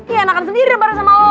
iya enakan sendiri deh bareng sama lo